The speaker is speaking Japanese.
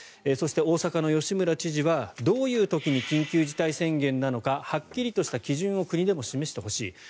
そして、大阪の吉村知事はどういう時に緊急事態宣言なのかはっきりとした基準を国でも示してほしい。